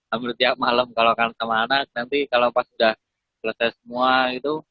ambil tiap malam kalau kangen sama anak nanti kalau pas udah selesai semua gitu